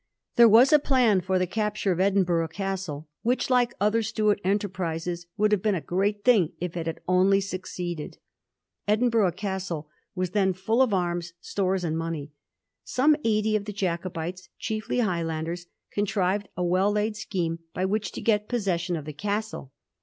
There was a plan for the capture of Edinburgh Castle, which, like other Stuart enterprises, would have been a great thing if it had only succeeded. Edinburgh Castle was then fiiU of arms, stores, and money. Some eighty of the Jacobites, chiefly High landers, contrived a well laid scheme by which to get possession of the Castle.